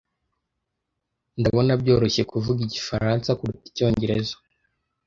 Ndabona byoroshye kuvuga igifaransa kuruta icyongereza.